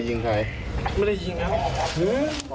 ไปยิงใครไม่ได้ยิงนะ